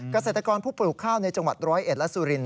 เกษตรกรผู้ปลูกข้าวในจังหวัดร้อยเอ็ดและสุรินท